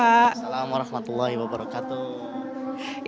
assalamu'alaikum warahmatullahi wabarakatuh